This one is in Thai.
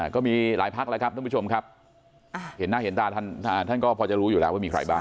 ก็มีหลายพักแล้วครับท่านผู้ชมครับเห็นหน้าเห็นตาท่านก็พอจะรู้อยู่แล้วว่ามีใครบ้าง